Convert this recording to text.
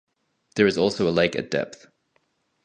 There also is a lake at depth.